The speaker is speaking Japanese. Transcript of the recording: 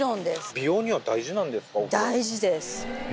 美容には大事なんですか、大事です。